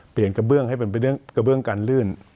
เปลี่ยนกระเบื้องให้เป็นกระเบื้องการลื่น